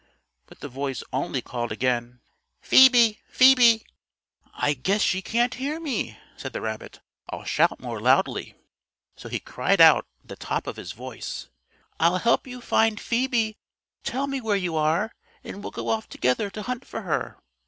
But the voice only called again: "Phoebe! Phoebe!" "I guess she can't hear me," said the rabbit. "I'll shout more loudly." So he cried out at the top of his voice: "I'll help you find Phoebe. Tell me where you are, and we'll go off together to hunt for her."